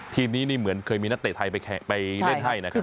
ทีมนี้นี่เหมือนเคยมีนักเตะไทยไปเล่นให้นะครับ